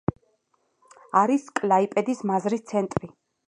არის კლაიპედის მაზრის ცენტრი.